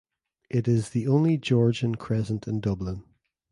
It is the only Georgian crescent in Dublin.